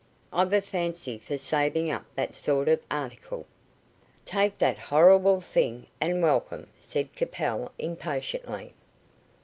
I've a fancy for saving up that sort of article." "Take the horrible thing and welcome," said Capel impatiently.